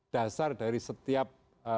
dasar dari setiap